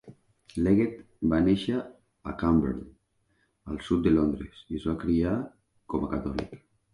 Leggett va néixer a Camberwell, al sud de Londres, i es va criar com a catòlic.